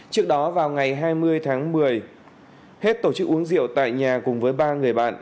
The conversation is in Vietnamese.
trước đó vào ngày hai mươi tháng một mươi hết tổ chức uống rượu tại nhà cùng với ba người bạn